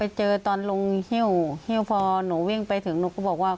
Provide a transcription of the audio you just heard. เจอตอนลงฮิ้วหิ้วพอหนูวิ่งไปถึงหนูก็บอกว่า